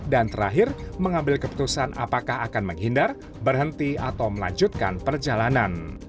dan terakhir mengambil keputusan apakah akan menghindar berhenti atau melanjutkan perjalanan